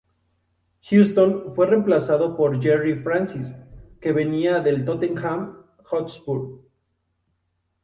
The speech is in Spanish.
Houston fue reemplazado por Gerry Francis, que venía del Tottenham Hotspur.